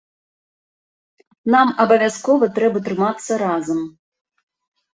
Нам абавязкова трэба трымацца разам.